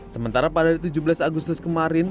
sementara pada tujuh belas agustus kemarin